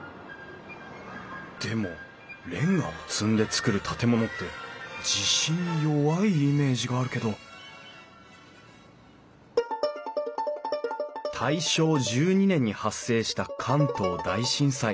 でもれんがを積んで造る建物って地震に弱いイメージがあるけど大正１２年に発生した関東大震災。